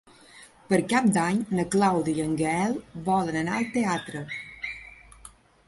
Per Cap d'Any na Clàudia i en Gaël volen anar al teatre.